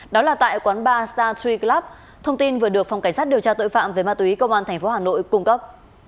đó là tại quán bar star tree club thông tin vừa được phòng cảnh sát điều tra tội phạm về ma túy cơ quan tp hà nội cung cấp